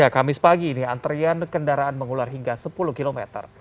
kamis pagi ini antrian kendaraan mengular hingga sepuluh km